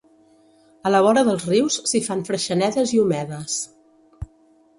A la vora dels rius, s'hi fan freixenedes i omedes.